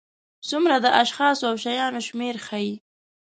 څومره د اشخاصو او شیانو شمېر ښيي.